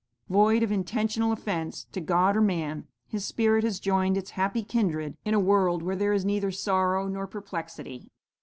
Void of intentional offence to God or man, his spirit has joined its happy kindred in a world where there is neither sorrow nor perplexity.'